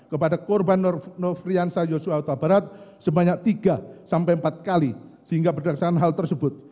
kepada korban nofriansah yosua utabarat sebanyak tiga sampai empat kali sehingga berdasarkan hal tersebut